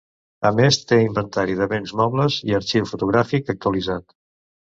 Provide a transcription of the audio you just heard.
A més té inventari de béns mobles i arxiu fotogràfic actualitzat.